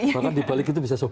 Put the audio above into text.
bahkan di balik itu bisa solo